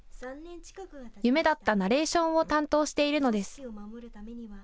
夢だったナレーションを担当しているのです。